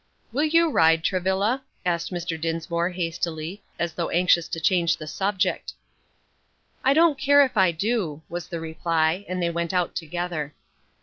"Will you ride, Travilla?" asked Mr. Dinsmore hastily, as though anxious to change the subject. "I don't care if I do," was the reply, and they went out together.